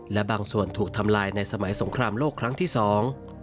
และบางส่วนถูกทำลายในสมัยสงครามโลกครั้งที่สอง